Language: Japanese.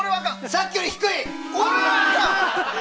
さっきより低い！